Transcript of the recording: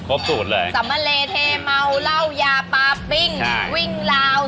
ครบสูตรเลยสมเรเทเมาเล่ายาปลาปิ้งวิ่งราว